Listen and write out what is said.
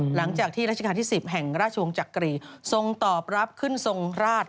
หลังจากที่ราชการที่๑๐แห่งราชวงศ์จักรีทรงตอบรับขึ้นทรงราช